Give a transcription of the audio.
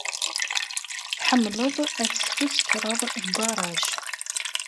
Tḥemmleḍ ad tesfuskreḍ deg ugaṛaj.